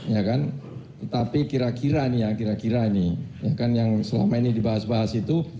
ya tapi kira kira nih ya kira kira nih yang selama ini dibahas bahas itu